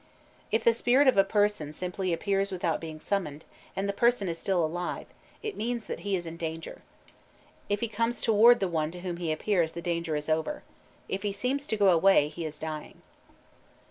If the spirit of a person simply appears without being summoned, and the person is still alive, it means that he is in danger. If he comes toward the one to whom he appears the danger is over. If he seems to go away, he is dying.